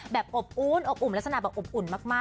แบบอบอุ่นอบอุ่นรักษณะแบบอบอุ่นมากเลยนะคะ